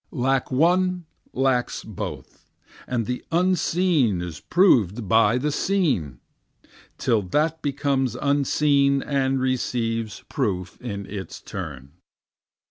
Lack one lacks both, and the unseen is proved by the seen, Till that becomes unseen and receives proof in its turn.